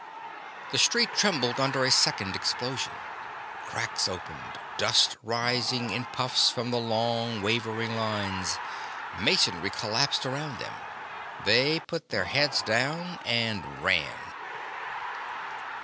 The street trembled under a second explosion. Cracks opened, dust rising in puffs from the long wavering lines. Masonry collapsed around them. They put their heads down and ran.